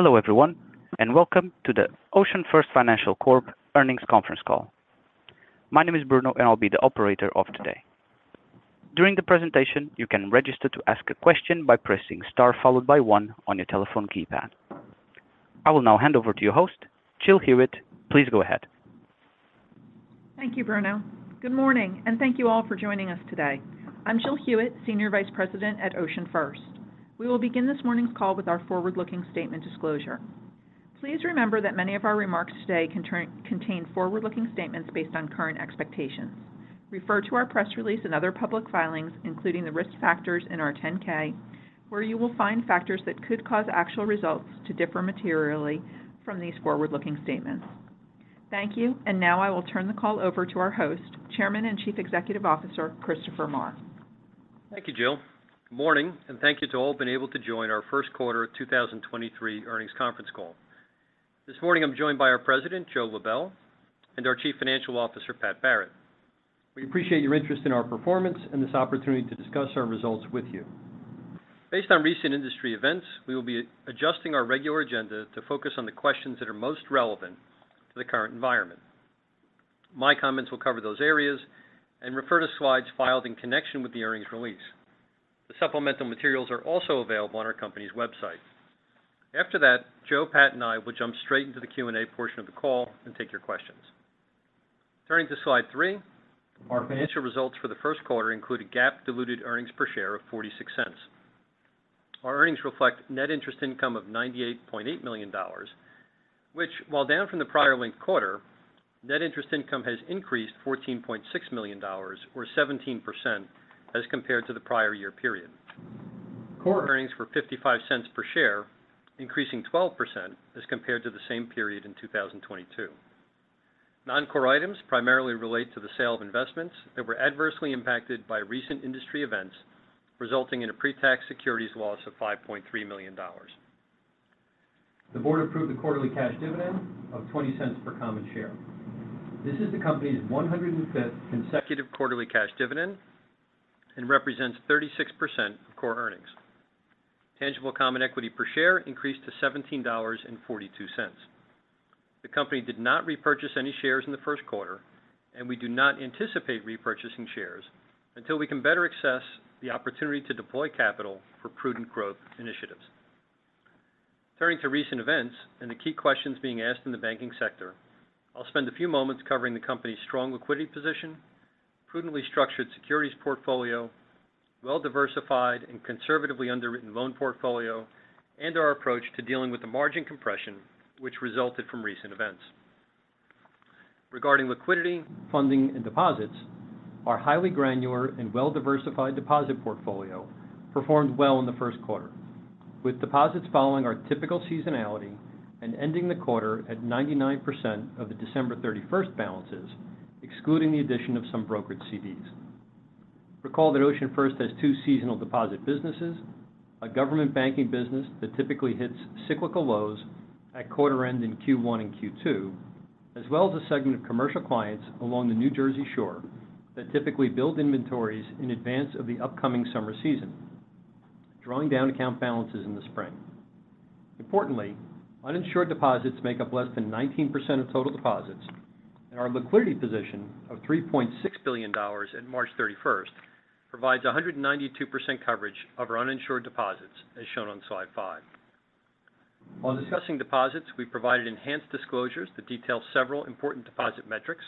Hello everyone, welcome to the OceanFirst Financial Corp Earnings Conference Call. My name is Bruno, and I'll be the operator of today. During the presentation, you can register to ask a question by pressing star followed by one on your telephone keypad. I will now hand over to your host, Jill Hewitt. Please go ahead. Thank you, Bruno. Good morning, and thank you all for joining us today. I'm Jill Hewitt, Senior Vice President at OceanFirst. We will begin this morning's call with our forward-looking statement disclosure. Please remember that many of our remarks today contain forward-looking statements based on current expectations. Refer to our press release and other public filings, including the risk factors in our 10-K, where you will find factors that could cause actual results to differ materially from these forward-looking statements. Thank you. Now I will turn the call over to our host, Chairman and Chief Executive Officer, Christopher Maher. Thank you, Jill. Good morning. Thank you to all been able to join our first quarter of 2023 earnings conference call. This morning, I'm joined by our President, Joe Lebel, and our Chief Financial Officer, Pat Barrett. We appreciate your interest in our performance and this opportunity to discuss our results with you. Based on recent industry events, we will be adjusting our regular agenda to focus on the questions that are most relevant to the current environment. My comments will cover those areas and refer to slides filed in connection with the earnings release. The supplemental materials are also available on our company's website. After that, Joe, Pat, and I will jump straight into the Q&A portion of the call and take your questions. Turning to slide three, our financial results for the first quarter include a GAAP diluted earnings per share of $0.46. Our earnings reflect net interest income of $98.8 million, which, while down from the prior linked quarter, net interest income has increased $14.6 million or 17% as compared to the prior year period. Core earnings were $0.55 per share, increasing 12% as compared to the same period in 2022. Non-core items primarily relate to the sale of investments that were adversely impacted by recent industry events, resulting in a pre-tax securities loss of $5.3 million. The board approved a quarterly cash dividend of $0.20 per common share. This is the company's 105th consecutive quarterly cash dividend and represents 36% of core earnings. Tangible common equity per share increased to $17.42. The company did not repurchase any shares in the first quarter, we do not anticipate repurchasing shares until we can better access the opportunity to deploy capital for prudent growth initiatives. Turning to recent events and the key questions being asked in the banking sector, I'll spend a few moments covering the company's strong liquidity position, prudently structured securities portfolio, well-diversified and conservatively underwritten loan portfolio, and our approach to dealing with the margin compression which resulted from recent events. Regarding liquidity, funding, and deposits, our highly granular and well-diversified deposit portfolio performed well in the first quarter. With deposits following our typical seasonality and ending the quarter at 99% of the December 31st balances, excluding the addition of some brokered CDs. Recall that OceanFirst has two seasonal deposit businesses, a government banking business that typically hits cyclical lows at quarter end in Q1 and Q2, as well as a segment of commercial clients along the New Jersey shore that typically build inventories in advance of the upcoming summer season, drawing down account balances in the spring. Importantly, uninsured deposits make up less than 19% of total deposits, and our liquidity position of $3.6 billion in March 31st provides 192% coverage of our uninsured deposits, as shown on slide five. While discussing deposits, we provided enhanced disclosures that detail several important deposit metrics,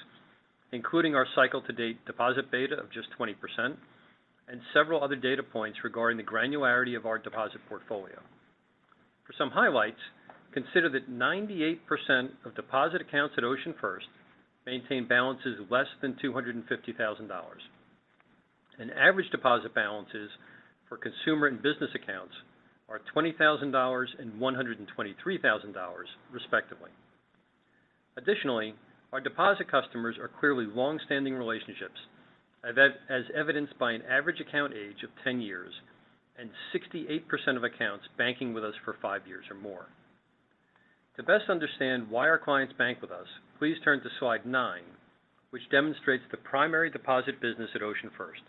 including our cycle to date deposit beta of just 20% and several other data points regarding the granularity of our deposit portfolio. For some highlights, consider that 98% of deposit accounts at OceanFirst maintain balances of less than $250,000. Average deposit balances for consumer and business accounts are $20,000 and $123,000, respectively. Additionally, our deposit customers are clearly long-standing relationships, as evidenced by an average account age of 10 years and 68% of accounts banking with us for five years or more. To best understand why our clients bank with us, please turn to Slide nine, which demonstrates the primary deposit business at OceanFirst,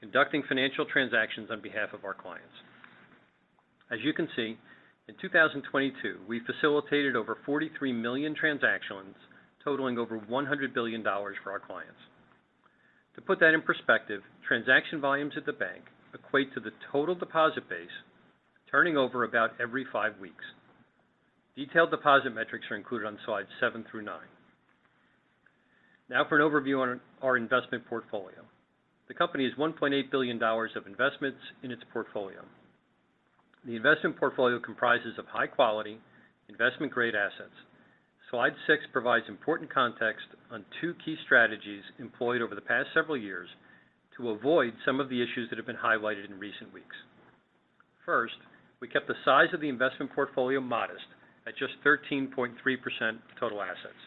conducting financial transactions on behalf of our clients. As you can see, in 2022, we facilitated over 43 million transactions totaling over $100 billion for our clients. To put that in perspective, transaction volumes at the bank equate to the total deposit base turning over about every five weeks. Detailed deposit metrics are included on slides seven through nine. For an overview on our investment portfolio. The company has $1.8 billion of investments in its portfolio. The investment portfolio comprises of high quality investment-grade assets. Slide six provides important context on two key strategies employed over the past several years to avoid some of the issues that have been highlighted in recent weeks. First, we kept the size of the investment portfolio modest at just 13.3% total assets.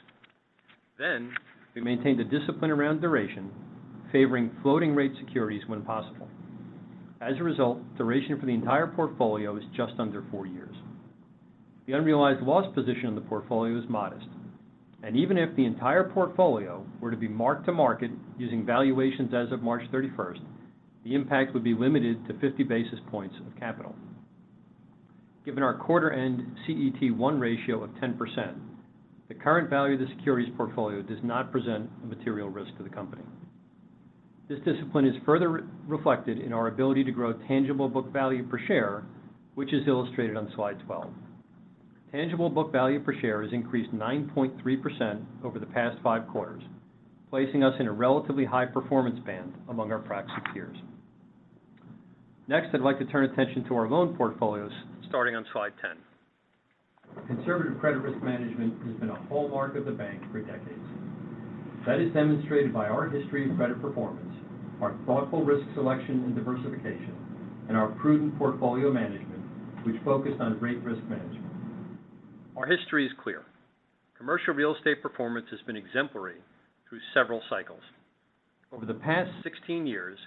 We maintained a discipline around duration, favoring floating rate securities when possible. As a result, duration for the entire portfolio is just under four years. The unrealized loss position on the portfolio is modest. Even if the entire portfolio were to be marked to market using valuations as of March 31st, the impact would be limited to 50 basis points of capital. Given our quarter-end CET1 ratio of 10%, the current value of the securities portfolio does not present a material risk to the company. This discipline is further reflected in our ability to grow tangible book value per share, which is illustrated on Slide 12. Tangible book value per share has increased 9.3% over the past five quarters, placing us in a relatively high performance band among our proxy peers. Next, I'd like to turn attention to our loan portfolios starting on Slide 10. Conservative credit risk management has been a hallmark of the bank for decades. That is demonstrated by our history of credit performance, our thoughtful risk selection and diversification, and our prudent portfolio management, which focused on great risk management. Our history is clear. Commercial real estate performance has been exemplary through several cycles. Over the past 16 years,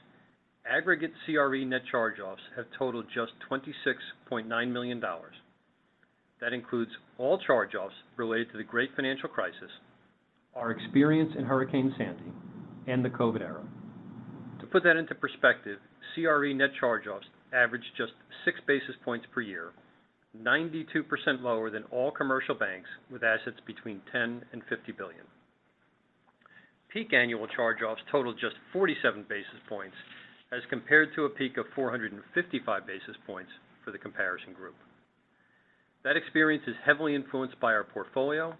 aggregate CRE net charge-offs have totaled just $26.9 million. That includes all charge-offs related to the Great Financial Crisis, our experience in Hurricane Sandy, and the COVID era. To put that into perspective, CRE net charge-offs average just 6 basis points per year, 92% lower than all commercial banks with assets between 10 and 50 billion. Peak annual charge-offs total just 47 basis points as compared to a peak of 455 basis points for the comparison group. That experience is heavily influenced by our portfolio,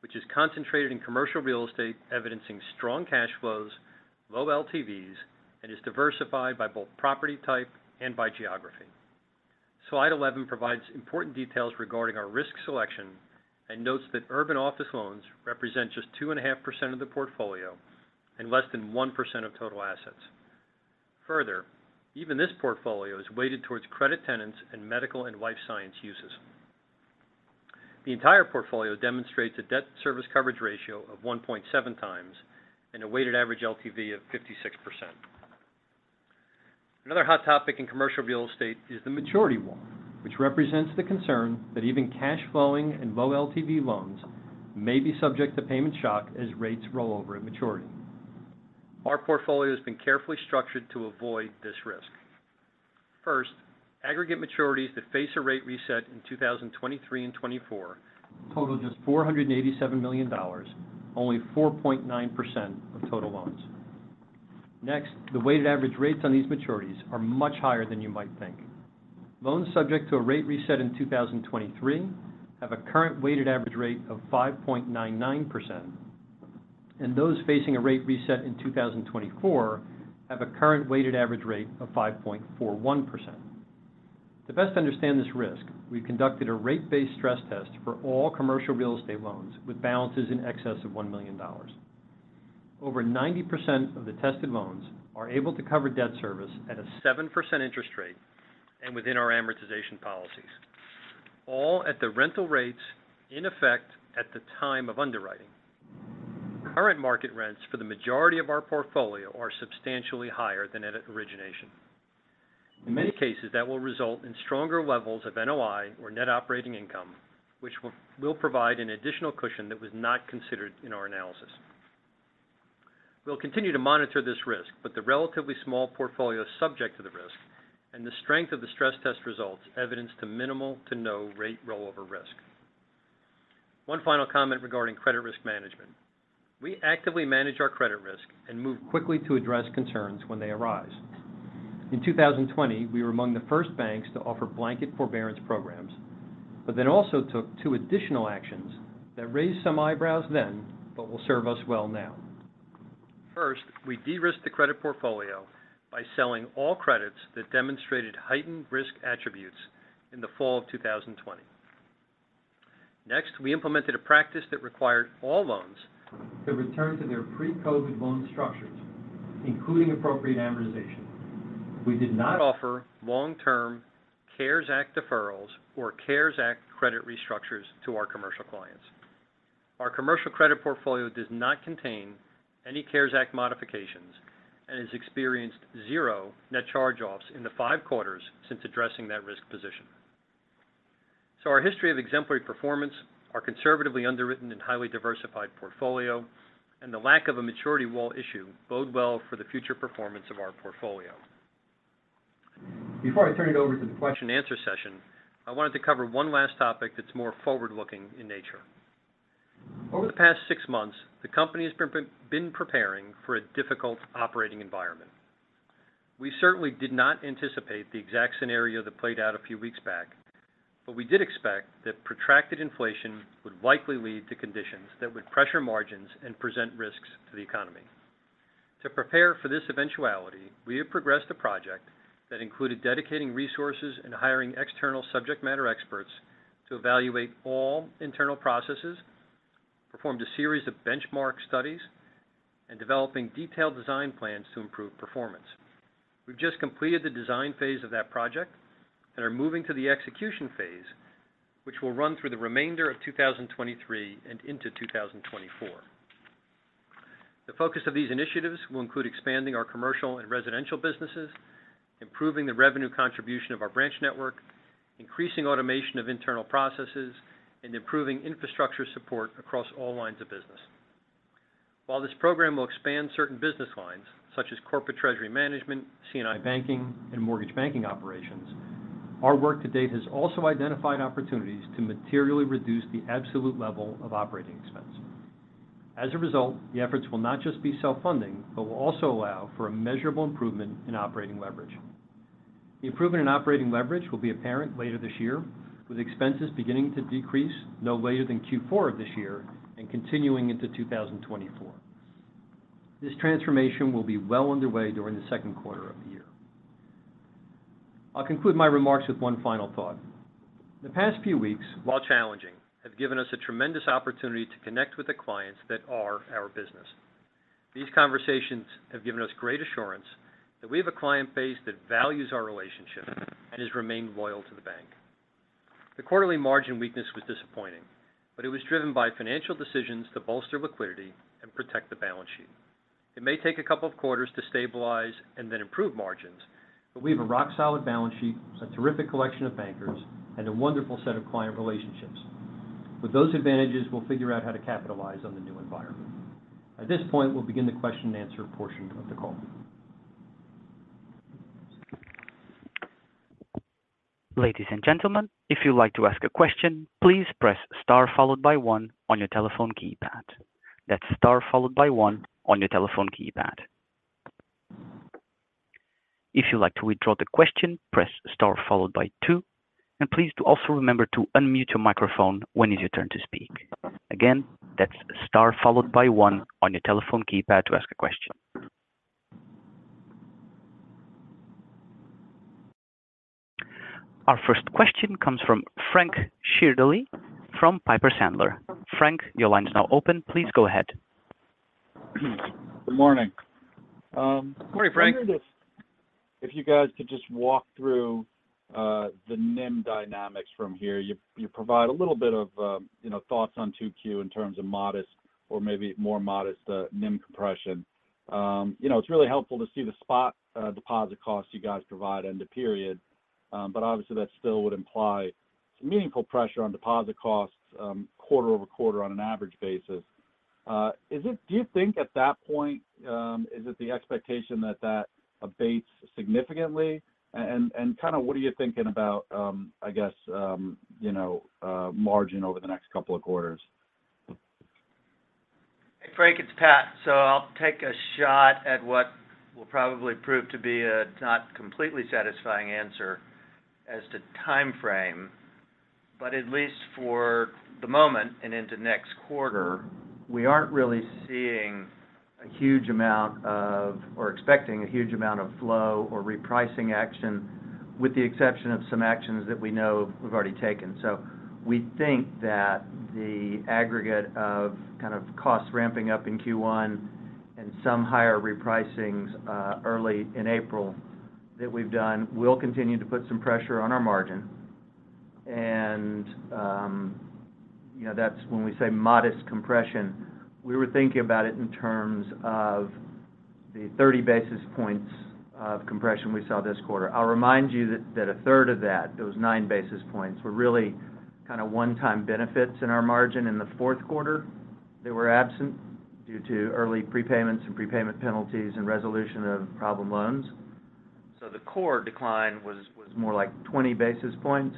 which is concentrated in commercial real estate evidencing strong cash flows, low LTVs, and is diversified by both property type and by geography. Slide 11 provides important details regarding our risk selection and notes that urban office loans represent just 2.5% of the portfolio and less than 1% of total assets. Even this portfolio is weighted towards credit tenants and medical and life science uses. The entire portfolio demonstrates a debt service coverage ratio of 1.7 times and a weighted average LTV of 56%. Another hot topic in commercial real estate is the maturity wall, which represents the concern that even cash flowing and low LTV loans may be subject to payment shock as rates roll over at maturity. Our portfolio has been carefully structured to avoid this risk. First, aggregate maturities that face a rate reset in 2023 and 2024 total just $487 million, only 4.9% of total loans. Next, the weighted average rates on these maturities are much higher than you might think. Loans subject to a rate reset in 2023 have a current weighted average rate of 5.99%. Those facing a rate reset in 2024 have a current weighted average rate of 5.41%. To best understand this risk, we've conducted a rate-based stress test for all commercial real estate loans with balances in excess of $1 million. Over 90% of the tested loans are able to cover debt service at a 7% interest rate and within our amortization policies, all at the rental rates in effect at the time of underwriting. Current market rents for the majority of our portfolio are substantially higher than at origination. In many cases, that will result in stronger levels of NOI or net operating income, which will provide an additional cushion that was not considered in our analysis. We'll continue to monitor this risk, the relatively small portfolio subject to the risk and the strength of the stress test results evidence to minimal to no rate rollover risk. One final comment regarding credit risk management. We actively manage our credit risk and move quickly to address concerns when they arise. In 2020, we were among the first banks to offer blanket forbearance programs, also took two additional actions that raised some eyebrows then but will serve us well now. First, we de-risked the credit portfolio by selling all credits that demonstrated heightened risk attributes in the fall of 2020. Next, we implemented a practice that required all loans to return to their pre-COVID loan structures, including appropriate amortization. We did not offer long-term CARES Act deferrals or CARES Act credit restructures to our commercial clients. Our commercial credit portfolio does not contain any CARES Act modifications and has experienced zero net charge-offs in the five quarters since addressing that risk position. Our history of exemplary performance, our conservatively underwritten and highly diversified portfolio, and the lack of a maturity wall issue bode well for the future performance of our portfolio. Before I turn it over to the question and answer session, I wanted to cover one last topic that's more forward-looking in nature. Over the past six months, the company has been preparing for a difficult operating environment. We certainly did not anticipate the exact scenario that played out a few weeks back, but we did expect that protracted inflation would likely lead to conditions that would pressure margins and present risks to the economy. To prepare for this eventuality, we have progressed a project that included dedicating resources and hiring external subject matter experts to evaluate all internal processes, performed a series of benchmark studies, and developing detailed design plans to improve performance. We've just completed the design phase of that project and are moving to the execution phase, which will run through the remainder of 2023 and into 2024. The focus of these initiatives will include expanding our commercial and residential businesses, improving the revenue contribution of our branch network, increasing automation of internal processes, and improving infrastructure support across all lines of business. While this program will expand certain business lines, such as corporate treasury management, C&I banking, and mortgage banking operations, our work to date has also identified opportunities to materially reduce the absolute level of operating expense. As a result, the efforts will not just be self-funding but will also allow for a measurable improvement in operating leverage. The improvement in operating leverage will be apparent later this year, with expenses beginning to decrease no later than Q4 of this year and continuing into 2024. This transformation will be well underway during the second quarter of the year. I'll conclude my remarks with one final thought. The past few weeks, while challenging, have given us a tremendous opportunity to connect with the clients that are our business. These conversations have given us great assurance that we have a client base that values our relationship and has remained loyal to the bank. The quarterly margin weakness was disappointing, but it was driven by financial decisions to bolster liquidity and protect the balance sheet. It may take a couple of quarters to stabilize and then improve margins, but we have a rock-solid balance sheet, a terrific collection of bankers, and a wonderful set of client relationships. With those advantages, we'll figure out how to capitalize on the new environment. At this point, we'll begin the question and answer portion of the call. Ladies and gentlemen, if you'd like to ask a question, please press star followed by one on your telephone keypad. That's star followed by one on your telephone keypad. If you'd like to withdraw the question, press star followed by two, and please do also remember to unmute your microphone when it is your turn to speak. Again, that's star followed by one on your telephone keypad to ask a question. Our first question comes from Frank Schiraldi from Piper Sandler. Frank, your line is now open. Please go ahead. Good morning. Good morning, Frank. I wonder if you guys could just walk through the NIM dynamics from here. You provide a little bit of, you know, thoughts on 2Q in terms of modest or maybe more modest NIM compression. You know, it's really helpful to see the spot deposit costs you guys provide end of period, but obviously that still would imply some meaningful pressure on deposit costs quarter-over-quarter on an average basis. Do you think at that point, is it the expectation that that abates significantly? Kind of what are you thinking about, I guess, you know, margin over the next couple of quarters? Hey, Frank, it's Pat. I'll take a shot at what will probably prove to be a not completely satisfying answer as to timeframe. At least for the moment and into next quarter, we aren't really seeing a huge amount of or expecting a huge amount of flow or repricing action, with the exception of some actions that we know we've already taken. We think that the aggregate of kind of costs ramping up in Q1 and some higher repricings early in April that we've done will continue to put some pressure on our margin. You know, that's when we say modest compression, we were thinking about it in terms of the 30 basis points of compression we saw this quarter. I'll remind you that a third of that, those nine basis points, were really kind of one-time benefits in our margin in the fourth quarter. They were absent due to early prepayments and prepayment penalties and resolution of problem loans. The core decline was more like 20 basis points,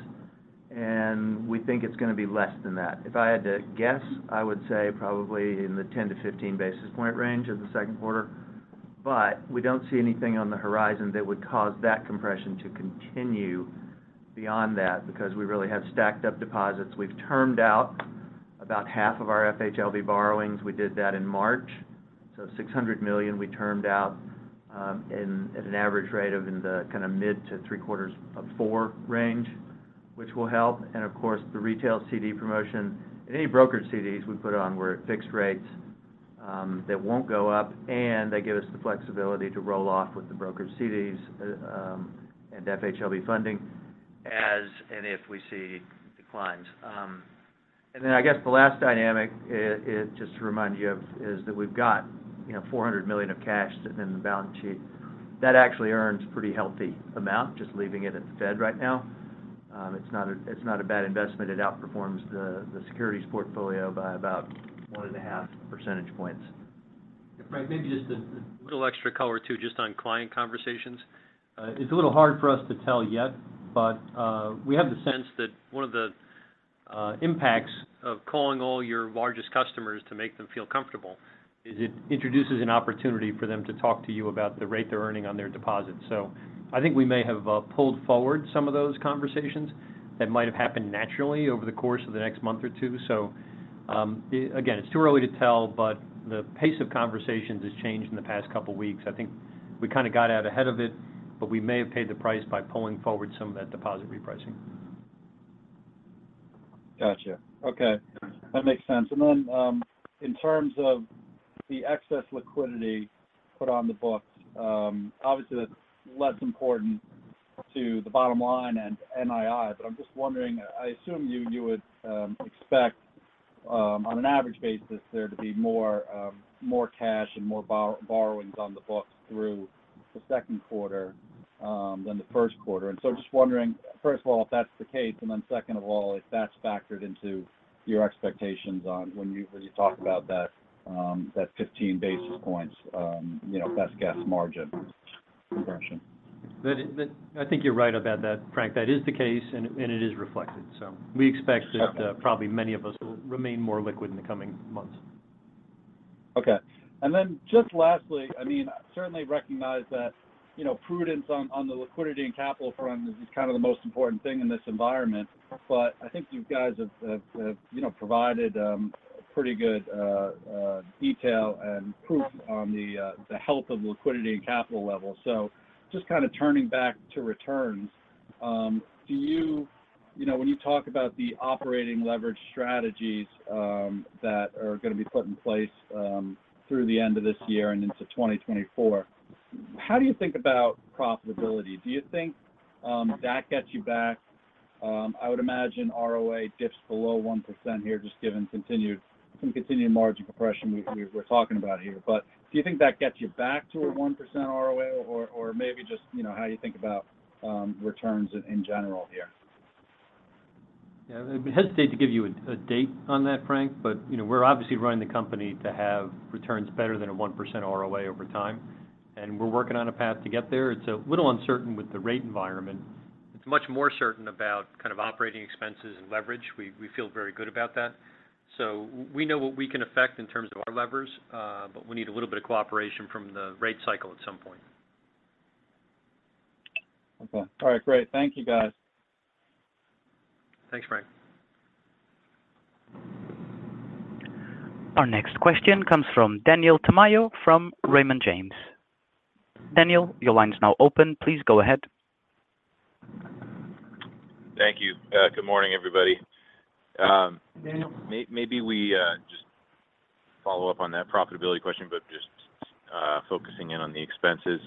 and we think it's going to be less than that. If I had to guess, I would say probably in the 10-15 basis point range in the second quarter. We don't see anything on the horizon that would cause that compression to continue beyond that because we really have stacked up deposits. We've termed out about half of our FHLB borrowings. We did that in March. $600 million we termed out at an average rate of in the kind of mid to 3.75 range, which will help. Of course, the retail CD promotion and any brokered CDs we put on were at fixed rates, that won't go up, and they give us the flexibility to roll off with the brokered CDs, and FHLB funding as and if we see declines. Then I guess the last dynamic is just to remind you of is that we've got, you know, $400 million of cash sitting in the balance sheet. That actually earns pretty healthy amount just leaving it at the Fed right now. It's not a, it's not a bad investment. It outperforms the securities portfolio by about one and a half percentage points. Right. Maybe just a little extra color too just on client conversations. It's a little hard for us to tell yet, but we have the sense that one of the impacts of calling all your largest customers to make them feel comfortable is it introduces an opportunity for them to talk to you about the rate they're earning on their deposits. I think we may have pulled forward some of those conversations that might have happened naturally over the course of the next month or two. Again, it's too early to tell, but the pace of conversations has changed in the past couple weeks. I think we kind of got out ahead of it, but we may have paid the price by pulling forward some of that deposit repricing. Gotcha. Okay. That makes sense. In terms of the excess liquidity put on the books, obviously that's less important to the bottom line and NII, but I'm just wondering, I assume you would expect on an average basis there to be more cash and more borrowings on the books through the second quarter than the first quarter. I'm just wondering, first of all, if that's the case, and then second of all, if that's factored into your expectations on when you, when you talk about that 15 basis points, you know, best guess margin compression. I think you're right about that, Frank. That is the case and it is reflected. We expect probably many of us will remain more liquid in the coming months. Okay. Just lastly, I mean, certainly recognize that, you know, prudence on the liquidity and capital front is kind of the most important thing in this environment. I think you guys have, you know, provided pretty good detail and proof on the health of liquidity and capital levels. Just kind of turning back to returns, You know, when you talk about the operating leverage strategies that are going to be put in place through the end of this year and into 2024, how do you think about profitability? Do you think that gets you back, I would imagine ROA dips below 1% here just given some continued margin compression we were talking about here. Do you think that gets you back to a 1% ROA or maybe just, you know, how you think about, returns in general here? Yeah. I'd hesitate to give you a date on that, Frank, you know, we're obviously running the company to have returns better than a 1% ROA over time. We're working on a path to get there. It's a little uncertain with the rate environment. It's much more certain about kind of operating expenses and leverage. We feel very good about that. We know what we can affect in terms of our levers, but we need a little bit of cooperation from the rate cycle at some point. Okay. All right. Great. Thank you, guys. Thanks, Frank. Our next question comes from Daniel Tamayo from Raymond James. Daniel, your line is now open. Please go ahead. Thank you. Good morning, everybody. Daniel. Maybe we just follow up on that profitability question, but just focusing in on the expenses.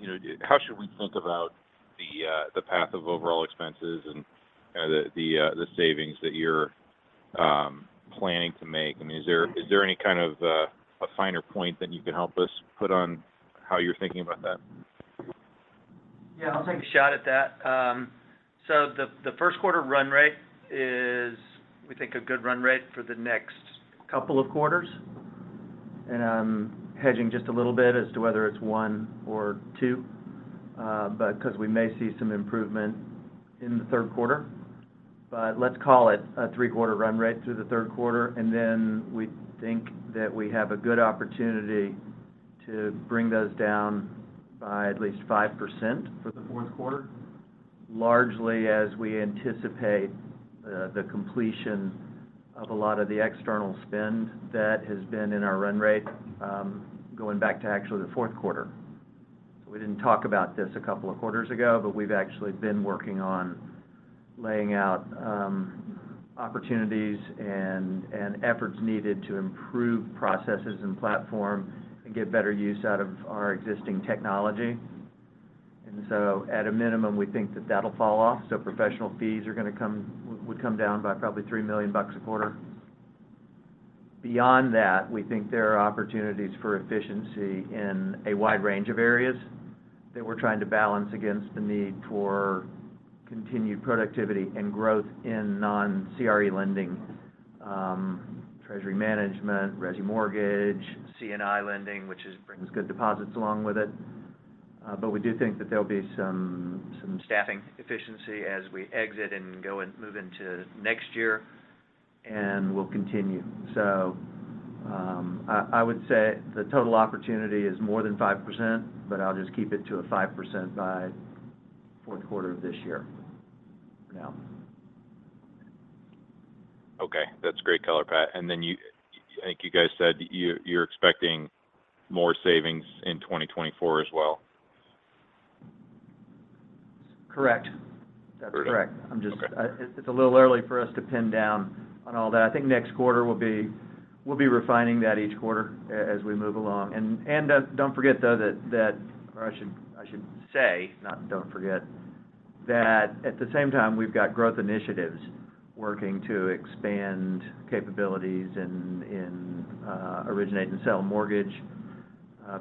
You know, how should we think about the path of overall expenses and the savings that you're planning to make? I mean, is there any kind of a finer point that you can help us put on how you're thinking about that? Yeah, I'll take a shot at that. The first quarter run rate is we think a good run rate for the next couple of quarters. I'm hedging just a little bit as to whether it's one or two, because we may see some improvement in the third quarter. Let's call it a three-quarter run rate through the third quarter, and then we think that we have a good opportunity to bring those down by at least 5% for the fourth quarter, largely as we anticipate, the completion of a lot of the external spend that has been in our run rate, going back to actually the fourth quarter. We didn't talk about this a couple of quarters ago, but we've actually been working on laying out opportunities and efforts needed to improve processes and platform and get better use out of our existing technology. At a minimum, we think that that'll fall off. Professional fees would come down by probably $3 million a quarter. Beyond that, we think there are opportunities for efficiency in a wide range of areas that we're trying to balance against the need for continued productivity and growth in non-CRE lending, treasury management, resi mortgage, C&I lending, which brings good deposits along with it. We do think that there'll be some staffing efficiency as we exit and go and move into next year, and we'll continue. I would say the total opportunity is more than 5%, but I'll just keep it to a 5% by fourth quarter of this year for now. Okay. That's great color, Pat. Then I think you guys said you're expecting more savings in 2024 as well. Correct. Great. That's correct. Okay. It's a little early for us to pin down on all that. I think next quarter we'll be refining that each quarter as we move along. Don't forget though that or I should say, not don't forget, that at the same time, we've got growth initiatives working to expand capabilities in originate and sell mortgage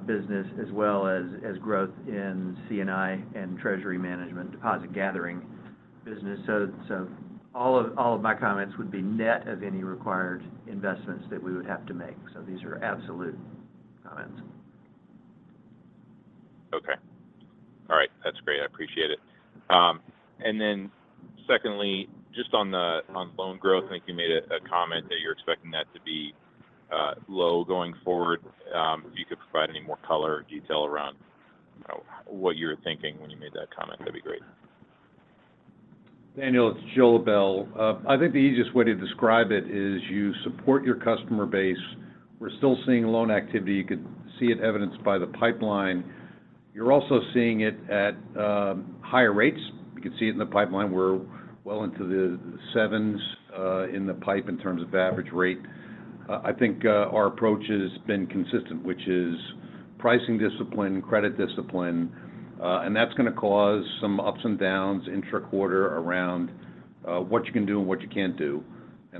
business as well as growth in C&I and treasury management deposit gathering business. All of my comments would be net of any required investments that we would have to make. These are absolute comments. Okay. All right. That's great. I appreciate it. Secondly, just on loan growth, I think you made a comment that you're expecting that to be low going forward. If you could provide any more color or detail around what you were thinking when you made that comment, that'd be great. Daniel, it's Joe Lebel. I think the easiest way to describe it is you support your customer base. We're still seeing loan activity. You could see it evidenced by the pipeline. You're also seeing it at higher rates. You can see it in the pipeline. We're well into the sevens in the pipe in terms of average rate. I think, our approach has been consistent, which is pricing discipline, credit discipline, and that's gonna cause some ups and downs intra-quarter around, what you can do and what you can't do.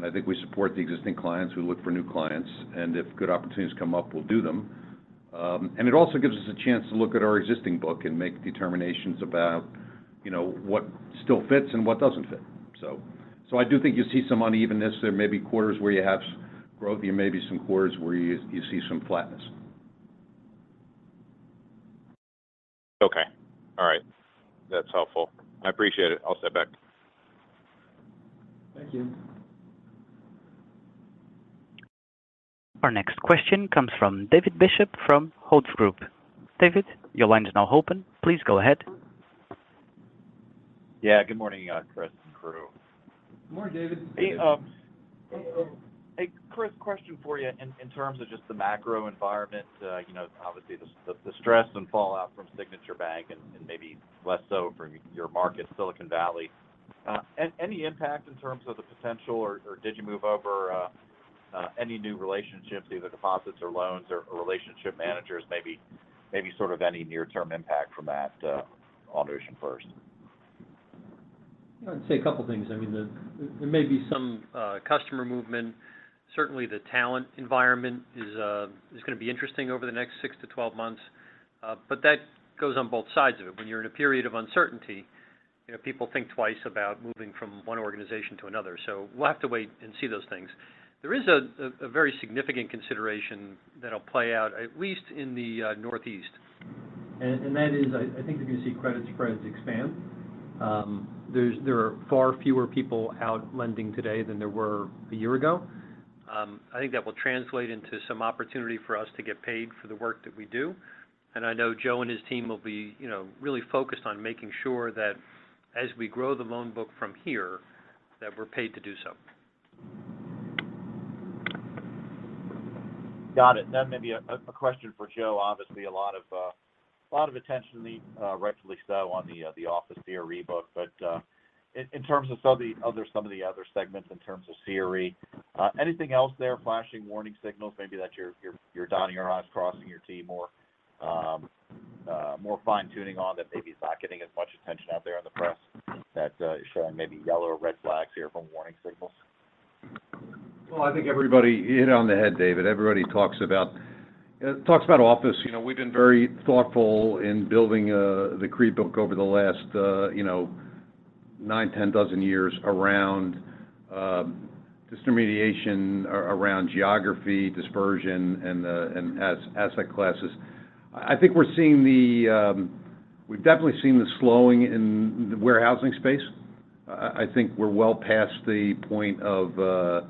I think we support the existing clients. We look for new clients, and if good opportunities come up, we'll do them. It also gives us a chance to look at our existing book and make determinations about, you know, what still fits and what doesn't fit. I do think you'll see some unevenness. There may be quarters where you have growth. There may be some quarters where you see some flatness. Okay. All right. That's helpful. I appreciate it. I'll step back. Thank you. Our next question comes from David Bishop from Hovde Group. David, your line is now open. Please go ahead. Yeah. Good morning, Chris and crew. Good morning, David. Hey Chris, question for you in terms of just the macro environment. you know, obviously the stress and fallout from Signature Bank and maybe less so for your market, Silicon Valley. any impact in terms of the potential or did you move over any new relationships, either deposits or loans or relationship managers? Maybe sort of any near-term impact from that alteration first. I'd say a couple things. I mean, there may be some customer movement. Certainly the talent environment is gonna be interesting over the next 6 to 12 months. But that goes on both sides of it. When you're in a period of uncertainty, you know, people think twice about moving from one organization to another. We'll have to wait and see those things. There is a very significant consideration that'll play out at least in the Northeast. That is, I think you're gonna see credit spreads expand. There are far fewer people out lending today than there were a year ago. I think that will translate into some opportunity for us to get paid for the work that we do. I know Joe and his team will be, you know, really focused on making sure that as we grow the loan book from here, that we're paid to do so. Got it. Maybe a question for Joe. Obviously a lot of attention, rightfully so on the office CRE book. In terms of some of the other segments in terms of CRE, anything else there flashing warning signals maybe that you're dotting your I's, crossing your T more, more fine-tuning on that maybe is not getting as much attention out there in the press that is showing maybe yellow or red flags here from warning signals? Well, I think everybody. You hit it on the head, David. Everybody talks about, talks about office. You know, we've been very thoughtful in building, the CRE book over the last, you know, nine, ten dozen years around disintermediation around geography, dispersion and asset classes. I think we're seeing the. We've definitely seen the slowing in the warehousing space. I think we're well past the point of, the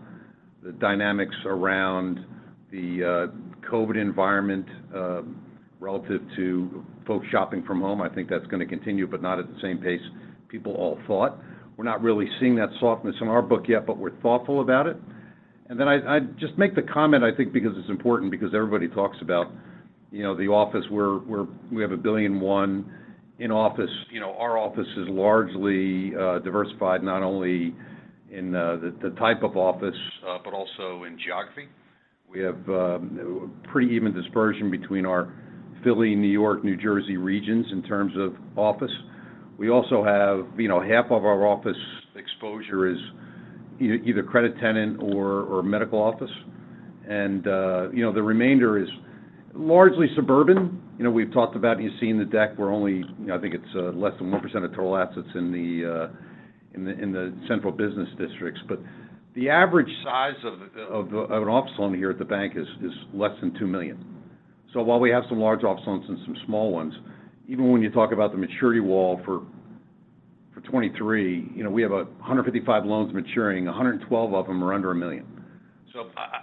dynamics around the COVID environment, relative to folks shopping from home. I think that's gonna continue, but not at the same pace people all thought. We're not really seeing that softness in our book yet, but we're thoughtful about it. Then I'd just make the comment, I think, because it's important because everybody talks about, you know, the office. We're, we have $1,000,000,001 in office. You know, our office is largely diversified, not only in the type of office, but also in geography. We have pretty even dispersion between our Philly, New York, New Jersey regions in terms of office. We also have, you know, half of our office exposure is either credit tenant or medical office. You know, the remainder is largely suburban. You know, we've talked about, you see in the deck, we're only, you know, I think it's less than 1% of total assets in the central business districts. The average size of an office loan here at the bank is less than $2 million. While we have some large office loans and some small ones, even when you talk about the maturity wall for 2023, you know, we have 155 loans maturing. 112 of them are under $1 million.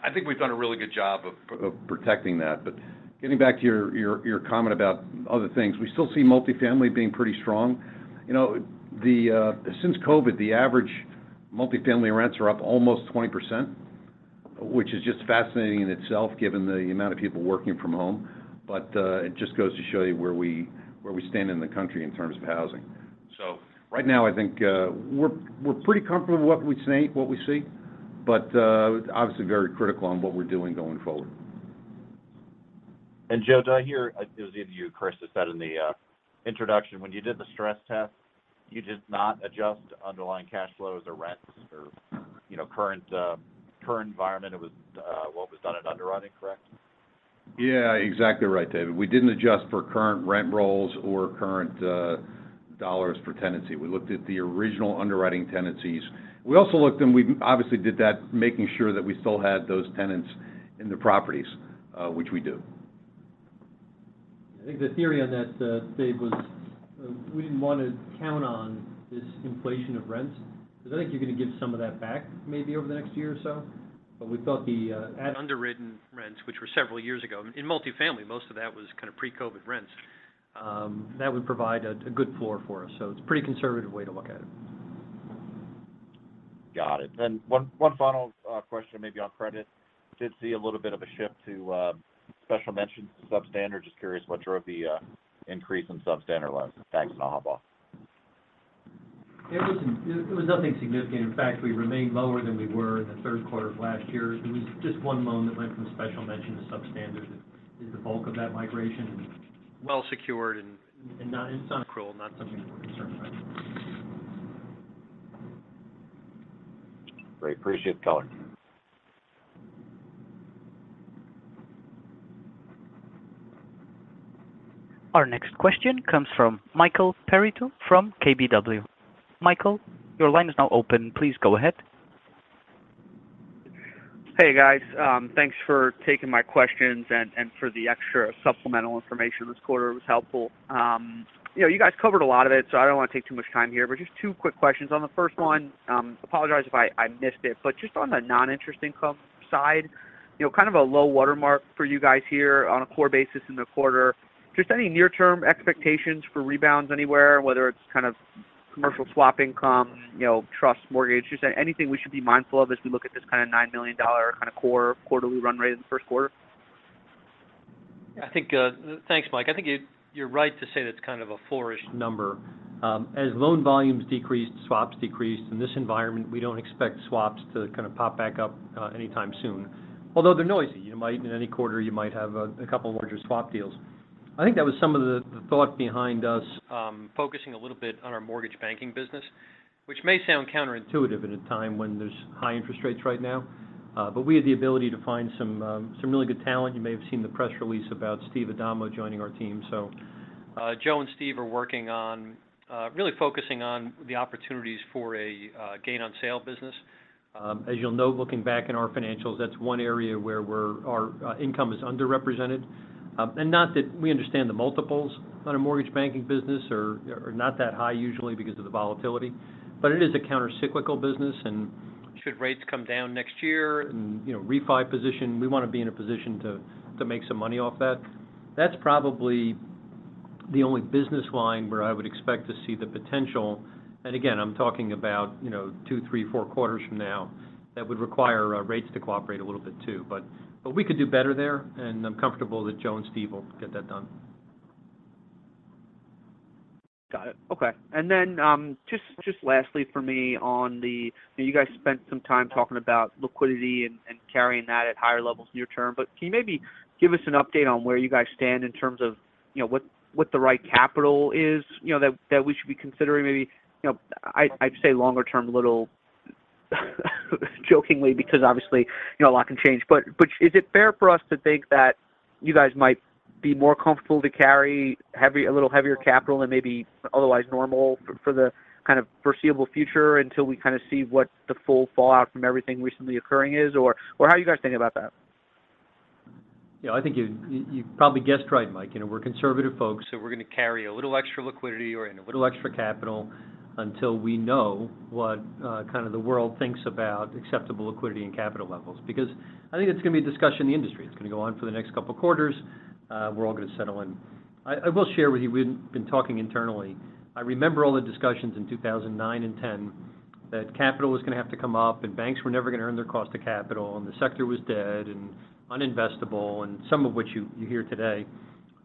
I think we've done a really good job of protecting that. Getting back to your comment about other things. We still see multifamily being pretty strong. You know, the since COVID, the average multifamily rents are up almost 20%, which is just fascinating in itself given the amount of people working from home. It just goes to show you where we stand in the country in terms of housing. Right now I think, we're pretty comfortable with what we see, but obviously very critical on what we're doing going forward. Joe, did I hear, it was either you or Chris that said in the introduction when you did the stress test, you did not adjust underlying cash flows or rents or, you know, current environment? It was what was done in underwriting, correct? Yeah, exactly right, David. We didn't adjust for current rent rolls or current dollars per tenancy. We looked at the original underwriting tenancies. We also looked and we obviously did that making sure that we still had those tenants in the properties, which we do. I think the theory on that, Dave, was, we didn't want to count on this inflation of rents because I think you're going to give some of that back maybe over the next year or so. We thought the at underwritten rents, which were several years ago in multifamily, most of that was kind of pre-COVID rents, that would provide a good floor for us. It's a pretty conservative way to look at it. Got it. One final question maybe on credit. Did see a little bit of a shift to special mention substandard. Just curious what drove the increase in substandard loans. Thanks, I'll hop off. It was nothing significant. In fact, we remained lower than we were in the third quarter of last year. It was just one loan that went from special mention to substandard is the bulk of that migration. Well secured and it's not accrual, not something that we're concerned about. Great. Appreciate the call. Our next question comes from Michael Perito from KBW. Michael, your line is now open. Please go ahead. Hey, guys. Thanks for taking my questions and for the extra supplemental information this quarter. It was helpful. You know, you guys covered a lot of it, so I don't want to take too much time here, just two quick questions. On the first one, apologize if I missed it, just on the non-interest comp side, you know, kind of a low watermark for you guys here on a core basis in the quarter. Just any near-term expectations for rebounds anywhere, whether it's kind of commercial swap income, you know, trust, mortgage. Just anything we should be mindful of as we look at this kind of $9 million kind of core quarterly run rate in the first quarter. I think, thanks, Michael. I think you're right to say that's kind of a four-ish number. As loan volumes decreased, swaps decreased. In this environment, we don't expect swaps to kind of pop back up anytime soon. They're noisy, in any quarter, you might have a couple larger swap deals. I think that was some of the thought behind us focusing a little bit on our mortgage banking business, which may sound counterintuitive at a time when there's high interest rates right now. We had the ability to find some really good talent. You may have seen the press release about Stephen Adamo joining our team. Joe and Steve are working on really focusing on the opportunities for a gain on sale business. As you'll note, looking back in our financials, that's one area where our income is underrepresented. Not that we understand the multiples on a mortgage banking business are not that high usually because of the volatility. It is a countercyclical business, and should rates come down next year and, you know, refi position, we want to be in a position to make some money off that. That's probably the only business line where I would expect to see the potential. Again, I'm talking about, you know, two, three, four quarters from now. That would require rates to cooperate a little bit too. We could do better there, and I'm comfortable that Joe and Steve will get that done. Got it. Okay. Lastly for me. You guys spent some time talking about liquidity and carrying that at higher levels near term, but can you maybe give us an update on where you guys stand in terms of, you know, what the right capital is, you know, that we should be considering maybe, you know, I'd say longer term a little jokingly because obviously, you know, a lot can change. Is it fair for us to think that you guys might be more comfortable to carry a little heavier capital than maybe otherwise normal for the kind of foreseeable future until we kind of see what the full fallout from everything recently occurring is? How are you guys thinking about that? You know, I think you probably guessed right, Mike. You know, we're conservative folks, so we're going to carry a little extra liquidity and a little extra capital until we know what kind of the world thinks about acceptable liquidity and capital levels. I think it's going to be a discussion in the industry. It's going to go on for the next couple quarters. We're all going to settle in. I will share with you, we've been talking internally. I remember all the discussions in 2009 and 2010 that capital was going to have to come up, and banks were never going to earn their cost of capital, and the sector was dead and uninvestable, and some of which you hear today.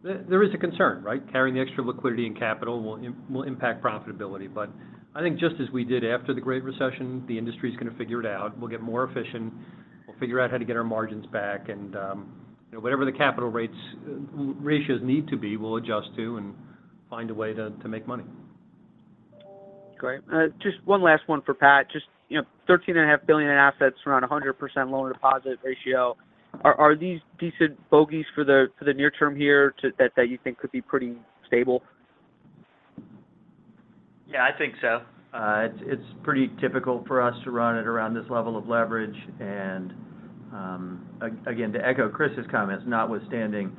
There is a concern, right? Carrying the extra liquidity and capital will impact profitability. I think just as we did after the Great Recession, the industry is going to figure it out. We'll get more efficient. We'll figure out how to get our margins back and, you know, whatever the capital ratios need to be, we'll adjust to and find a way to make money. Great. Just one last one for Pat. Just, you know, thirteen and a half billion in assets, around a 100% loan deposit ratio. Are these decent bogeys for the, for the near term that you think could be pretty stable? Yeah, I think so. It's pretty typical for us to run at around this level of leverage. Again, to echo Chris's comments, notwithstanding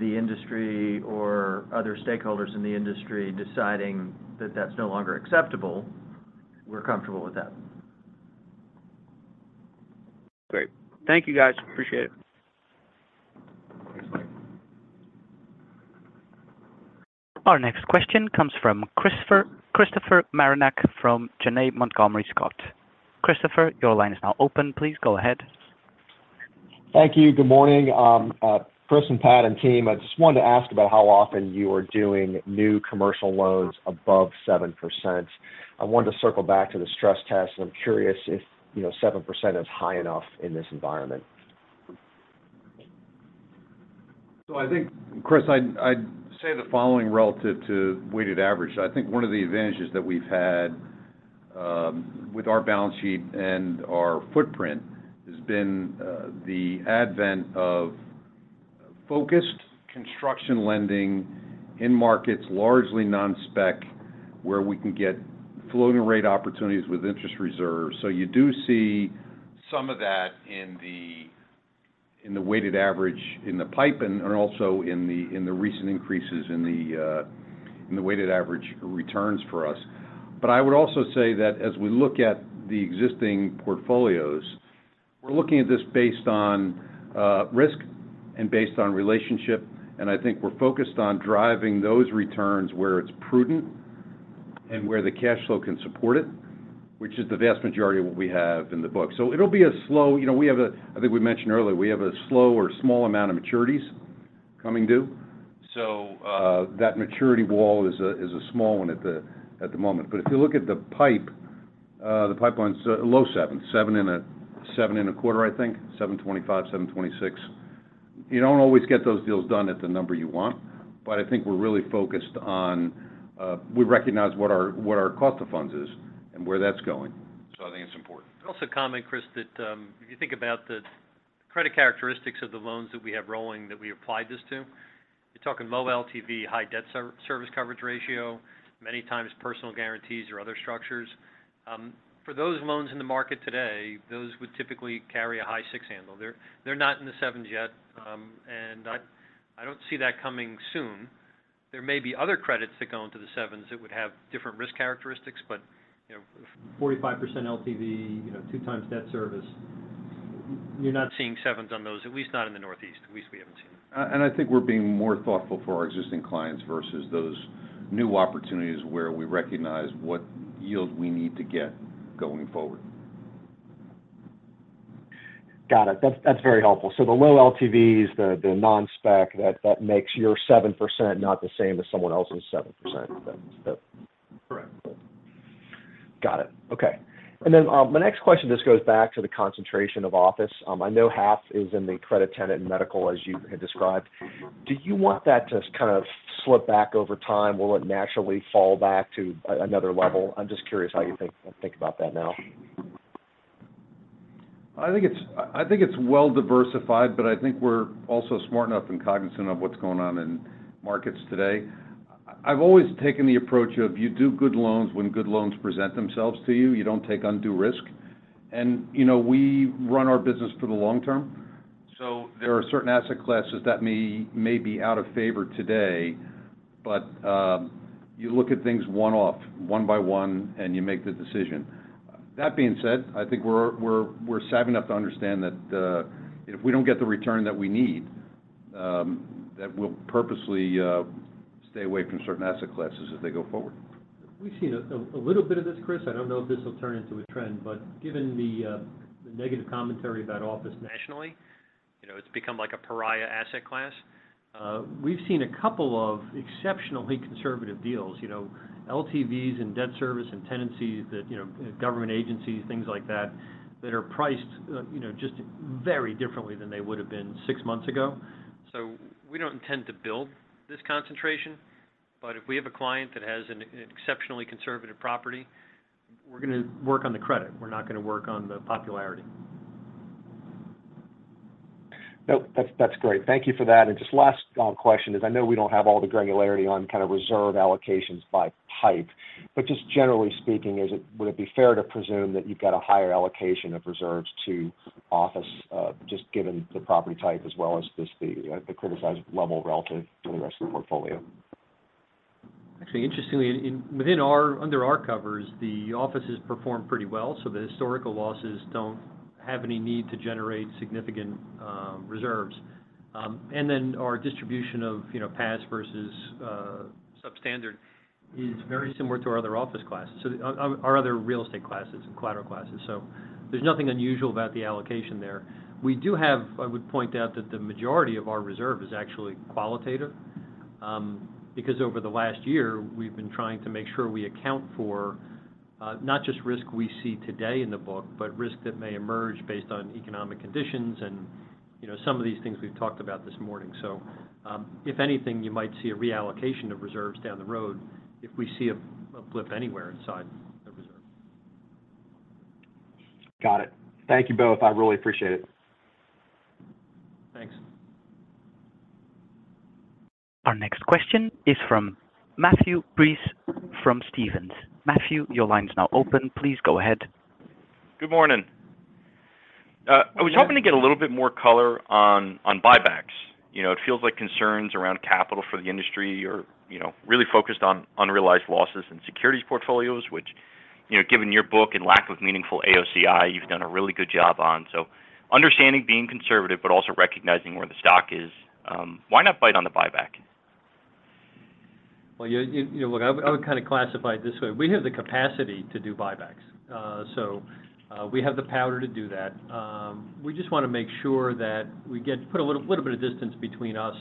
the industry or other stakeholders in the industry deciding that that's no longer acceptable, we're comfortable with that. Great. Thank you, guys. Appreciate it. Thanks, Mike. Our next question comes from Christopher Marinac from Janney Montgomery Scott. Christopher, your line is now open. Please go ahead. Thank you. Good morning, Chris and Pat and team. I just wanted to ask about how often you are doing new commercial loans above 7%. I wanted to circle back to the stress test, and I'm curious if, you know, 7% is high enough in this environment. I think, Chris, I'd say the following relative to weighted average. I think one of the advantages that we've had with our balance sheet and our footprint has been the advent of focused construction lending in markets largely non-spec, where we can get floating rate opportunities with interest reserves. You do see some of that in the weighted average in the pipe and also in the recent increases in the weighted average returns for us. I would also say that as we look at the existing portfolios, we're looking at this based on risk and based on relationship. I think we're focused on driving those returns where it's prudent and where the cash flow can support it, which is the vast majority of what we have in the book. It'll be a slow, you know, we have I think we mentioned earlier, we have a slow or small amount of maturities, coming due. That maturity wall is a small one at the moment. If you look at the pipe, the pipeline's low 7%. 7.25%, I think. 7.25%, 7.26%. You don't always get those deals done at the number you want, but I think we're really focused on. We recognize what our cost of funds is and where that's going. I think it's important. I'd also comment, Chris, that, if you think about the credit characteristics of the loans that we have rolling that we applied this to, you're talking low LTV, high debt service coverage ratio, many times personal guarantees or other structures. For those loans in the market today, those would typically carry a high six handle. They're not in the sevens yet, and I don't see that coming soon. There may be other credits that go into the sevens that would have different risk characteristics, but, you know, 45% LTV, you know, two times debt service, you're not seeing sevens on those, at least not in the Northeast. At least we haven't seen them. I think we're being more thoughtful for our existing clients versus those new opportunities where we recognize what yield we need to get going forward. Got it. That's very helpful. The low LTVs, the non-spec, that makes your 7% not the same as someone else's 7%. Correct. Got it. Okay. My next question just goes back to the concentration of office. I know half is in the credit tenant and medical, as you had described. Do you want that to kind of slip back over time? Will it naturally fall back to another level? I'm just curious how you think about that now. I think it's well-diversified, but I think we're also smart enough and cognizant of what's going on in markets today. I've always taken the approach of you do good loans when good loans present themselves to you. You don't take undue risk. You know, we run our business for the long term. There are certain asset classes that may be out of favor today. You look at things one-off, one by one, and you make the decision. That being said, I think we're savvy enough to understand that if we don't get the return that we need, that we'll purposely stay away from certain asset classes as they go forward. We've seen a little bit of this, Chris. I don't know if this will turn into a trend. Given the negative commentary about office nationally, you know, it's become like a pariah asset class. We've seen a couple of exceptionally conservative deals, you know, LTVs and debt service and tenancy that, you know, government agencies, things like that are priced, you know, just very differently than they would have been six months ago. We don't intend to build this concentration, but if we have a client that has an exceptionally conservative property, we're gonna work on the credit. We're not gonna work on the popularity. Nope. That's great. Thank you for that. Just last question is, I know we don't have all the granularity on kind of reserve allocations by type, but just generally speaking, would it be fair to presume that you've got a higher allocation of reserves to office, just given the property type as well as just the criticized level relative to the rest of the portfolio? Actually, interestingly, within our, under our covers, the offices perform pretty well, so the historical losses don't have any need to generate significant reserves. Our distribution of, you know, pass versus substandard is very similar to our other office classes, our other real estate classes and collateral classes. There's nothing unusual about the allocation there. We do have I would point out that the majority of our reserve is actually qualitative, because over the last year, we've been trying to make sure we account for not just risk we see today in the book, but risk that may emerge based on economic conditions and, you know, some of these things we've talked about this morning. If anything, you might see a reallocation of reserves down the road if we see a blip anywhere inside the reserve. Got it. Thank you both. I really appreciate it. Thanks. Our next question is from Matthew Breese from Stephens. Matthew, your line's now open. Please go ahead. Good morning. I was hoping to get a little bit more color on buybacks. You know, it feels like concerns around capital for the industry are, you know, really focused on unrealized losses in securities portfolios, which, you know, given your book and lack of meaningful AOCI, you've done a really good job on. Understanding being conservative, but also recognizing where the stock is, why not bite on the buyback? Well, you know, look, I would kind of classify it this way. We have the capacity to do buybacks. We have the powder to do that. We just wanna make sure that we put a little bit of distance between us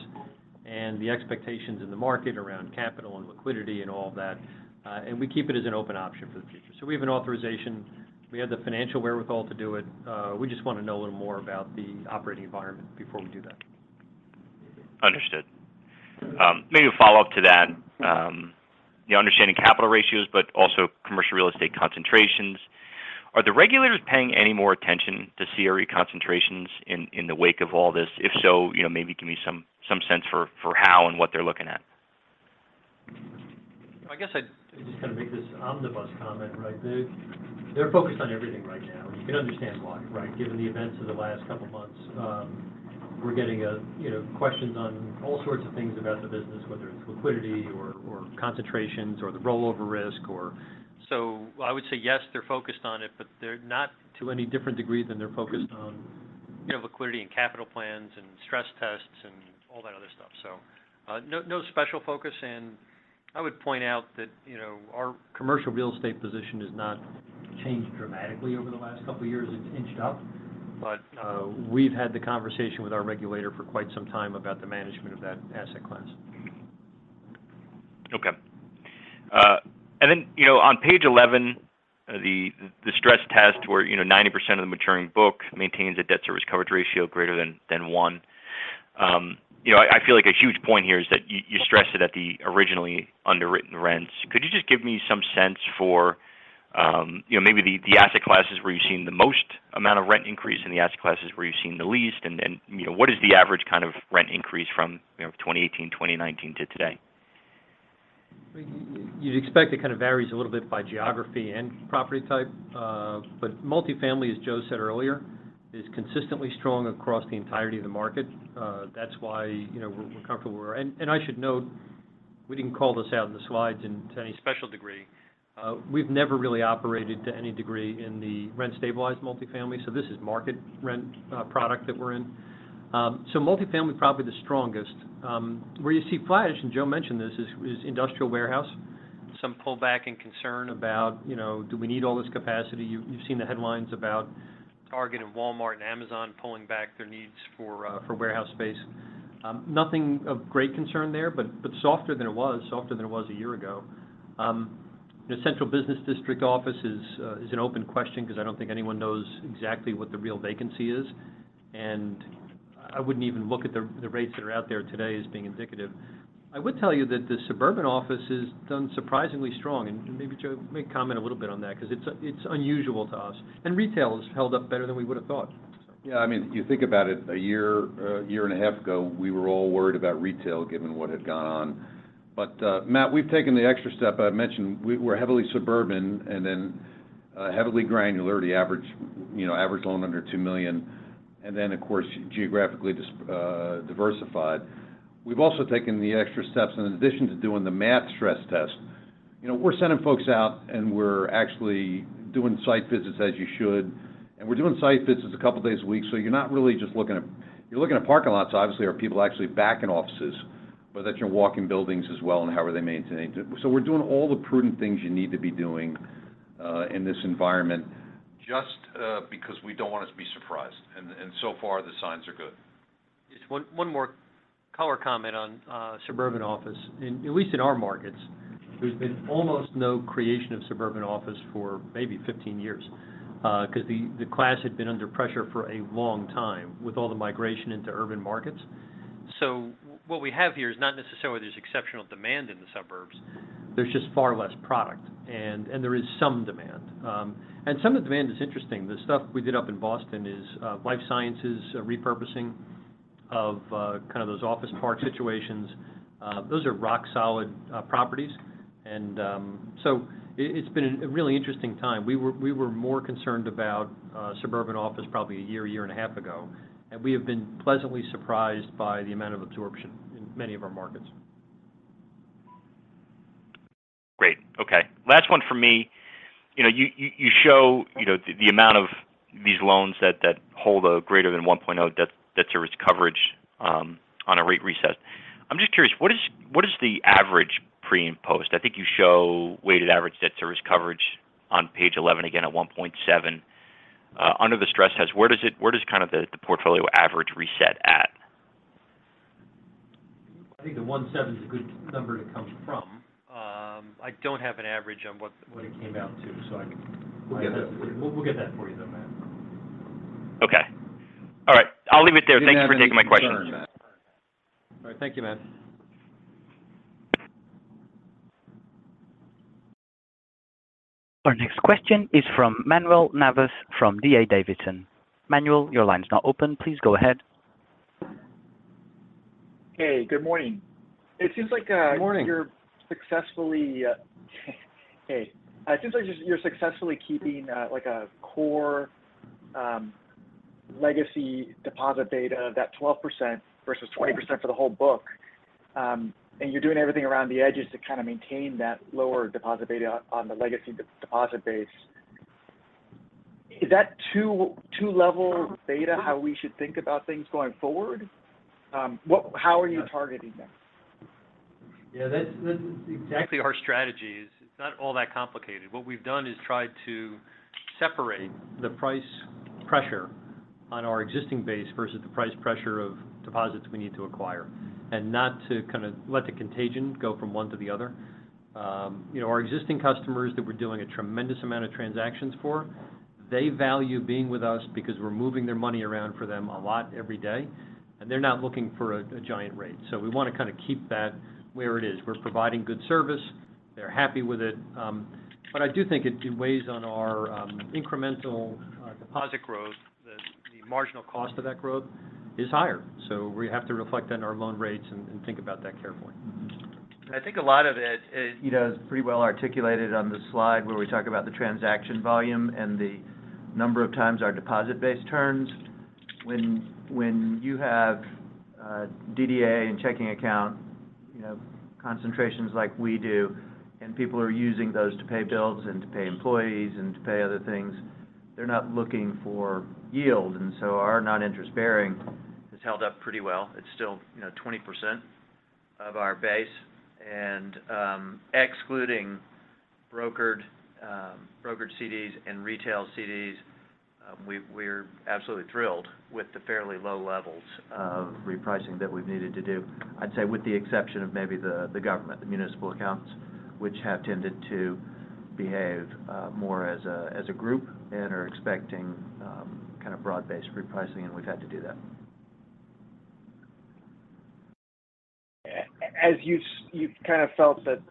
and the expectations in the market around capital and liquidity and all of that. We keep it as an open option for the future. We have an authorization. We have the financial wherewithal to do it. We just wanna know a little more about the operating environment before we do that. Understood. Maybe a follow-up to that. You know, understanding capital ratios, but also commercial real estate concentrations. Are the regulators paying any more attention to CRE concentrations in the wake of all this? If so, you know, maybe give me some sense for how and what they're looking at. I guess I'd just kind of make this omnibus comment, right? They're focused on everything right now, and you can understand why, right? Given the events of the last couple of months, we're getting, you know, questions on all sorts of things about the business, whether it's liquidity or concentrations or the rollover risk or... I would say, yes, they're focused on it, but they're not to any different degree than they're focused on, you know, liquidity and capital plans and stress tests and all that other stuff. No special focus. I would point out that, you know, our commercial real estate position is not changed dramatically over the last couple years. It's inched up. We've had the conversation with our regulator for quite some time about the management of that asset class. Okay. Then, you know, on page 11, the stress test where, you know, 90% of the maturing book maintains a debt service coverage ratio greater than 1. You know, I feel like a huge point here is that you stress it at the originally underwritten rents. Could you just give me some sense for, you know, maybe the asset classes where you've seen the most amount of rent increase and the asset classes where you've seen the least? Then, you know, what is the average kind of rent increase from, you know, 2018, 2019 to today? I mean, you'd expect it kind of varies a little bit by geography and property type. Multifamily, as Joe said earlier, is consistently strong across the entirety of the market. That's why, you know, we're comfortable where. I should note, we didn't call this out in the slides into any special degree, we've never really operated to any degree in the rent-stabilized multifamily, so this is market rent product that we're in. Multifamily, probably the strongest. Where you see flat, and Joe mentioned this, is industrial warehouse. Some pullback and concern about, you know, do we need all this capacity? You've seen the headlines about Target and Walmart and Amazon pulling back their needs for warehouse space. Nothing of great concern there, but softer than it was a year ago. The central business district office is an open question because I don't think anyone knows exactly what the real vacancy is. I wouldn't even look at the rates that are out there today as being indicative. I would tell you that the suburban office has done surprisingly strong, and maybe Joe Lebel may comment a little bit on that because it's unusual to us. Retail has held up better than we would've thought. Yeah. I mean, you think about it, a year, a year and a half ago, we were all worried about retail given what had gone on. Matt, we've taken the extra step. I mentioned we're heavily suburban, heavily granularity average, you know, average loan under $2 million. Of course, geographically diversified. We've also taken the extra steps in addition to doing the math stress test. You know, we're sending folks out, we're actually doing site visits as you should. We're doing site visits a couple days a week, so you're not really just looking at. You're looking at parking lots, obviously. Are people actually back in offices? That you're walking buildings as well, and how are they maintaining? We're doing all the prudent things you need to be doing in this environment just because we don't want to be surprised. So far, the signs are good. Just one more color comment on suburban office. In at least in our markets, there's been almost no creation of suburban office for maybe 15 years. Because the class had been under pressure for a long time with all the migration into urban markets. What we have here is not necessarily there's exceptional demand in the suburbs, there's just far less product. There is some demand. Some of the demand is interesting. The stuff we did up in Boston is life sciences repurposing of kind of those office park situations. Those are rock solid properties. It's been a really interesting time. We were more concerned about suburban office probably a year, a year and a half ago. We have been pleasantly surprised by the amount of absorption in many of our markets. Great. Okay. Last one from me. You know, you show, you know, the amount of these loans that hold a greater than 1.0 debt service coverage on a rate reset. I'm just curious, what is the average pre- and post? I think you show weighted average debt service coverage on page 11, again, at 1.7. Under the stress test, where does kind of the portfolio average reset at? I think the 17's a good number to come from. I don't have an average on what it came out to. We'll get that for you. We'll get that for you though, Matt. Okay. All right. I'll leave it there. Thanks for taking my questions. Thanks, Matt. We appreciate it. All right. Thank you, Matt. Our next question is from Manuel Navas from D.A. Davidson. Manuel, your line is now open. Please go ahead. Hey, good morning. Good morning. Hey. It seems like you're successfully keeping like a core legacy deposit beta, that 12% versus 20% for the whole book. You're doing everything around the edges to kind of maintain that lower deposit beta on the legacy deposit base. Is that two-level beta how we should think about things going forward? What how are you targeting that? Yeah. That's exactly our strategy is it's not all that complicated. What we've done is tried to separate the price pressure on our existing base versus the price pressure of deposits we need to acquire, and not to kind of let the contagion go from one to the other. You know, our existing customers that we're doing a tremendous amount of transactions for, they value being with us because we're moving their money around for them a lot every day, and they're not looking for a giant rate. We want to kind of keep that where it is. We're providing good service. They're happy with it. But I do think it weighs on our incremental deposit growth that the marginal cost of that growth is higher. We have to reflect that in our loan rates and think about that carefully. I think a lot of it is, you know, is pretty well articulated on the slide where we talk about the transaction volume and the number of times our deposit base turns. When you have DDA and checking account, you know, concentrations like we do, and people are using those to pay bills and to pay employees and to pay other things, they're not looking for yield. Our non-interest bearing has held up pretty well. It's still, you know, 20%.Of our base. Excluding brokered brokered CDs and retail CDs, we're absolutely thrilled with the fairly low levels of repricing that we've needed to do. I'd say with the exception of maybe the government, the municipal accounts, which have tended to behave more as a group and are expecting kind of broad-based repricing, and we've had to do that. As you've kind of felt that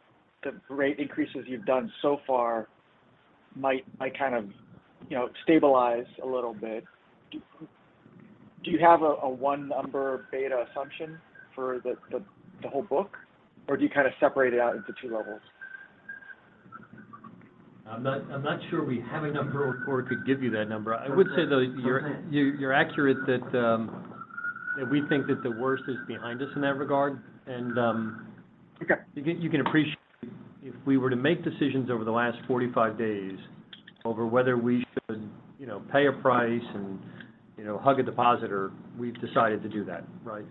the rate increases you've done so far might kind of, you know, stabilize a little bit, do you have a one number beta assumption for the whole book? Or do you kind of separate it out into two levels? I'm not sure we have enough growth or could give you that number. I would say, though, you're accurate that we think that the worst is behind us in that regard, you can appreciate if we were to make decisions over the last 45 days over whether we should, you know, pay a price and, you know, hug a depositor, we've decided to do that, right?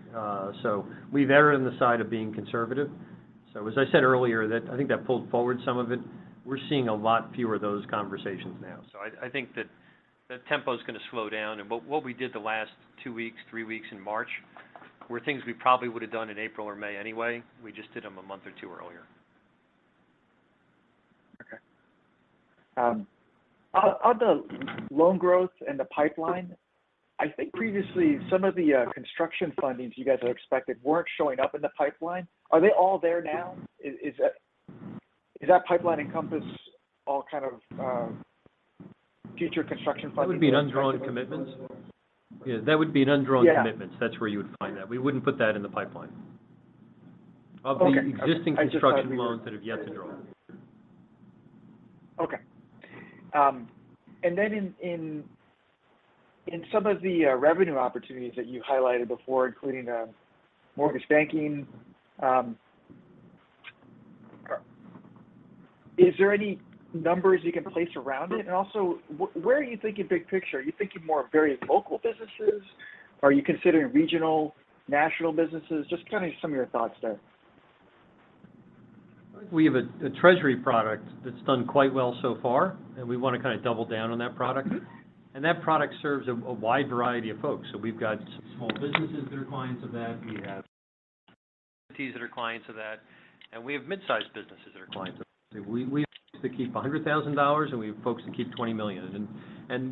We've erred on the side of being conservative. As I said earlier, that I think that pulled forward some of it. We're seeing a lot fewer of those conversations now. I think that the tempo's gonna slow down. What we did the last two weeks, three weeks in March were things we probably would've done in April or May anyway. We just did them a month or 2 earlier. Okay. On the loan growth and the pipeline, I think previously some of the construction fundings you guys had expected weren't showing up in the pipeline. Are they all there now? Does that pipeline encompass all kind of future construction funding? That would be an undrawn commitment. Yeah, that would be an undrawn commitment. Yeah. That's where you would find that. We wouldn't put that in the pipeline. Okay. I just thought... Of the existing construction loans that have yet to draw. Okay. In some of the revenue opportunities that you highlighted before, including mortgage banking, is there any numbers you can place around it? Where are you thinking big picture? Are you thinking more of very local businesses? Are you considering regional, national businesses? Just kind of some of your thoughts there. I think we have a treasury product that's done quite well so far. We want to kind of double down on that product. That product serves a wide variety of folks. We've got small businesses that are clients of that. We have entities that are clients of that. We have mid-sized businesses that are clients of that. We keep $100,000, and we have folks that keep $20 million.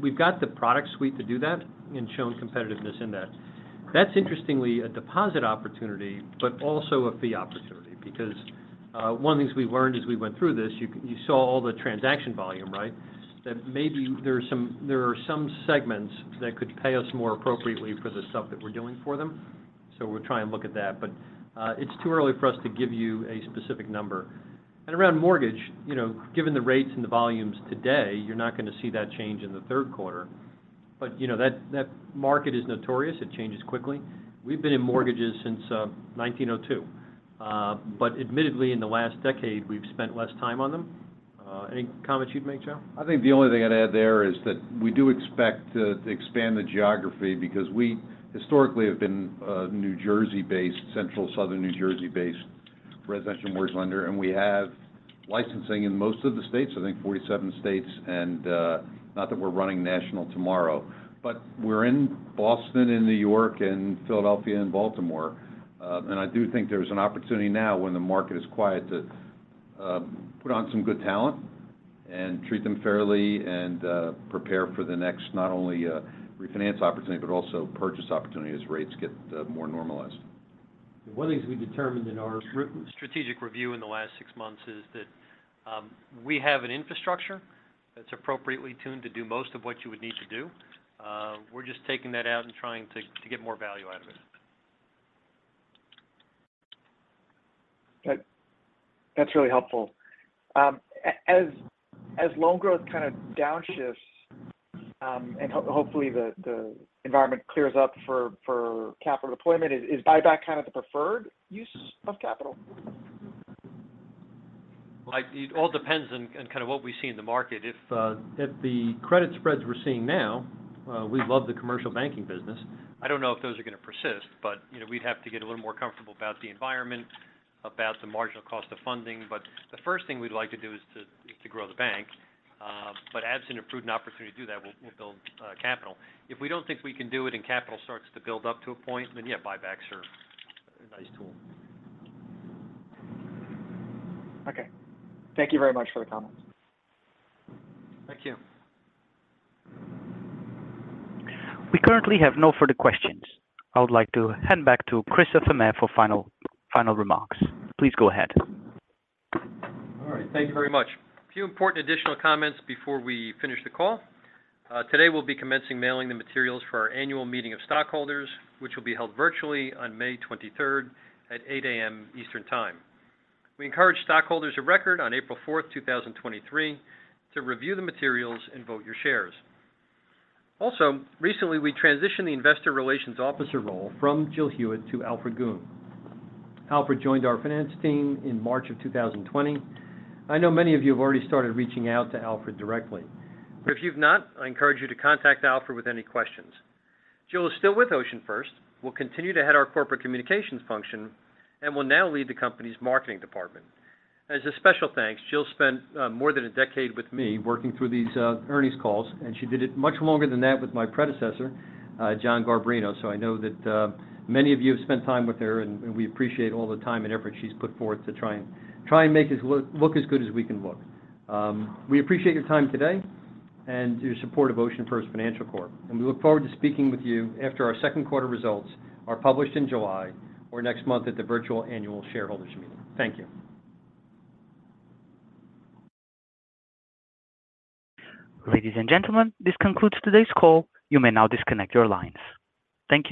We've got the product suite to do that and shown competitiveness in that. That's interestingly a deposit opportunity, but also a fee opportunity because one of the things we learned as we went through this, you saw all the transaction volume, right? That maybe there are some segments that could pay us more appropriately for the stuff that we're doing for them. We'll try and look at that. It's too early for us to give you a specific number. Around mortgage, you know, given the rates and the volumes today, you're not gonna see that change in the third quarter. You know, that market is notorious. It changes quickly. We've been in mortgages since 1902. Admittedly, in the last decade, we've spent less time on them. Any comments you'd make, Joe? I think the only thing I'd add there is that we do expect to expand the geography because we historically have been a New Jersey based, central, southern New Jersey based residential mortgage lender, and we have licensing in most of the states, I think 47 states. Not that we're running national tomorrow, but we're in Boston and New York and Philadelphia and Baltimore. I do think there's an opportunity now when the market is quiet to put on some good talent and treat them fairly and prepare for the next not only refinance opportunity, but also purchase opportunity as rates get more normalized. One of the things we determined in our strategic review in the last six months is that, we have an infrastructure that's appropriately tuned to do most of what you would need to do. We're just taking that out and trying to get more value out of it. That's really helpful. As loan growth kind of downshifts, and hopefully the environment clears up for capital deployment, is buyback kind of the preferred use of capital? Like, it all depends on kind of what we see in the market. If the credit spreads we're seeing now, we love the commercial banking business. I don't know if those are going to persist, you know, we'd have to get a little more comfortable about the environment, about the marginal cost of funding. The first thing we'd like to do is to grow the bank. As an approved opportunity to do that, we'll build capital. If we don't think we can do it and capital starts to build up to a point, yeah, buybacks are a nice tool. Okay. Thank you very much for the comments. Thank you. We currently have no further questions. I would like to hand back to Christopher Fuhrman for final remarks. Please go ahead. All right. Thank you very much. A few important additional comments before we finish the call. Today we'll be commencing mailing the materials for our annual meeting of stockholders, which will be held virtually on May 23rd at 8:00 A.M. Eastern Time. We encourage stockholders of record on April 4th, 2023, to review the materials and vote your shares. Recently, we transitioned the investor relations officer role from Jill Hewitt to Alfred Goon. Alfred joined our finance team in March of 2020. I know many of you have already started reaching out to Alfred directly. If you've not, I encourage you to contact Alfred with any questions. Jill is still with OceanFirst, will continue to head our corporate communications function, and will now lead the company's marketing department. As a special thanks, Jill spent more than a decade with me working through these earnings calls, and she did it much longer than that with my predecessor, John Garbarino. I know that many of you have spent time with her, and we appreciate all the time and effort she's put forth to try and make us look as good as we can look. We appreciate your time today and your support of OceanFirst Financial Corp. We look forward to speaking with you after our second quarter results are published in July or next month at the virtual annual shareholders meeting. Thank you. Ladies and gentlemen, this concludes today's call. You may now disconnect your lines. Thank you.